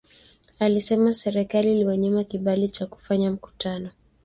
Alisema serikali iliwanyima kibali cha kufanya mkutano